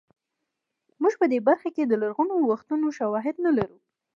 موږ په دې برخه کې د لرغونو وختونو شواهد نه لرو